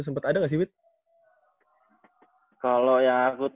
sempet ada gak sih witt